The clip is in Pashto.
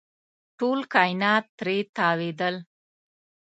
ټول کاینات ترې تاوېدل.